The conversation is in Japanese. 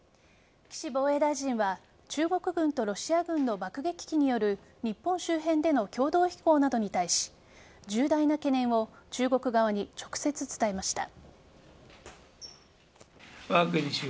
岸防衛大臣は中国軍とロシア軍の爆撃機による日本周辺での共同飛行などに対し重大な懸念を中国側に直接伝えました。